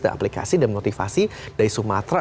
dan aplikasi dan motivasi dari sumatra